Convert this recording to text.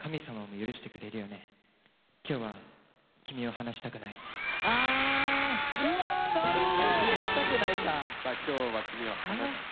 「離したくない」か。